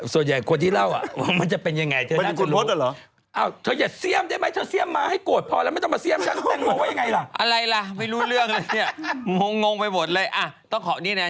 ส่วนใหญ่คนที่เล่ามันจะเป็นอย่างไรเธอ